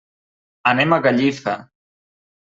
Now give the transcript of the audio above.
Anem a Gallifa.